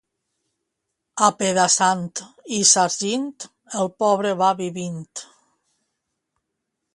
Apedaçant i sargint, el pobre va vivint.